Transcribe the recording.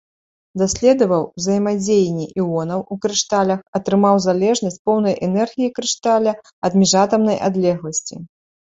Даследаваў узаемадзеянні іонаў у крышталях, атрымаў залежнасць поўнай энергіі крышталя ад міжатамнай адлегласці.